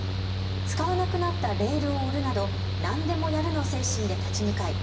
使わなくなったレールを売るなど何でもやるの精神で立ち向かい